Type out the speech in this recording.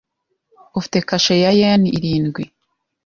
Ufite kashe ya yen irindwi?